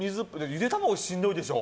ゆで卵、しんどいでしょう。